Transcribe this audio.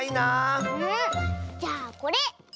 じゃあこれ。